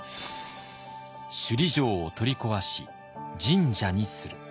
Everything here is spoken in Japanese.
「首里城を取り壊し神社にする」。